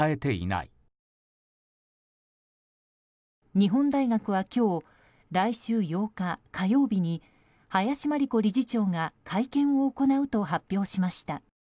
日本大学は今日来週８日、火曜日に林真理子理事長が会見を行うと発表しました。